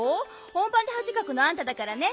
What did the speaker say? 本ばんではじかくのあんただからね。